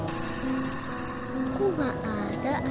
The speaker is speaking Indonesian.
aku gak ada